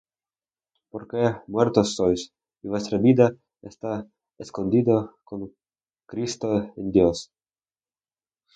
Porque muertos sois, y vuestra vida está escondida con Cristo en Dios.